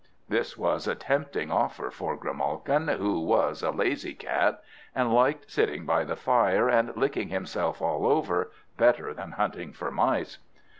This was a tempting offer for Grimalkin, who was a lazy Cat, and liked sitting by the fire, and licking himself all over, better than hunting for mice.